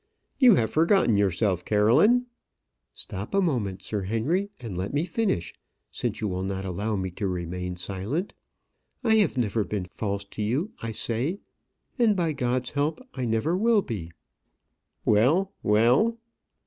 "You have forgotten yourself, Caroline " "Stop a moment, Sir Henry, and let me finish, since you will not allow me to remain silent. I have never been false to you, I say; and, by God's help, I never will be " "Well, well."